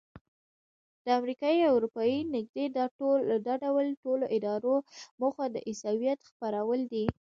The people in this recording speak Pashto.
د امریکایي او اروپایي نږدې دا ډول ټولو ادارو موخه د عیسویت خپرول دي.